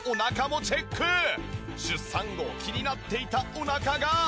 出産後気になっていたお腹が。